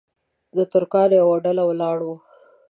د ترکانو یوه ډله ولاړه وه.